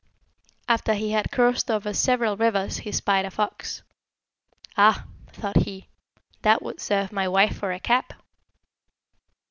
After he had crossed over several rivers he espied a fox. 'Ah,' thought he, 'that would serve my wife for a cap.'